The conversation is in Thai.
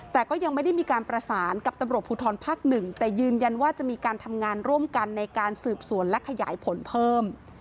แต่ก็ยังไม่ได้มีการประสานกับตำรวจภูทรภาคหนึ่งแต่ยืนยันว่าจะมีการทำงานร่วมกันในการสืบสวนและขยายผลเพิ่ม